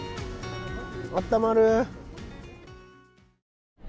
あったまる！